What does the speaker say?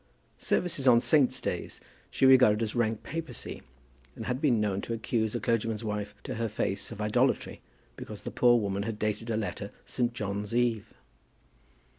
Services on saints' days she regarded as rank papacy, and had been known to accuse a clergyman's wife, to her face, of idolatry, because the poor lady had dated a letter, St. John's Eve.